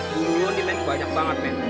bulu lo nilain banyak banget ren